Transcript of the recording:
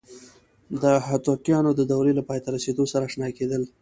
د هوتکیانو د دورې له پای ته رسیدو سره آشنا کېدل دي.